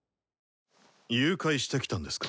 誘拐してきたんですか？